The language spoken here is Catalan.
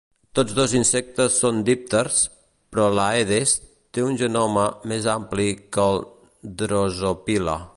Tots dos insectes són dípters, però l'"Aedes" té un genoma més ampli que el "Drosophila".